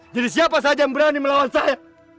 jadi siapa saja yang berani melawan saya